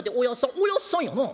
「おやっさんやなあ。